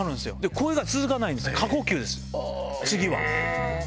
声が続かないんです、過呼吸です、次は。